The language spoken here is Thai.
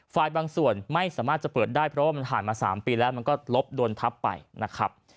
บางส่วนไม่สามารถจะเปิดได้เพราะว่ามันผ่านมา๓ปีแล้วมันก็ลบโดนทับไปนะครับ